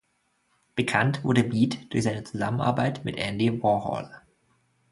Bekannt wurde Mead durch seine Zusammenarbeit mit Andy Warhol.